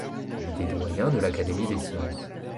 Il était doyen de l'Académie des sciences.